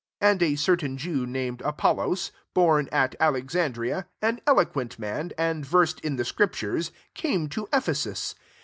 24 And a certain Jew, named Apollos, born at Alexandria, an eloquent man, and versed in the scriptures, came to Ephesus.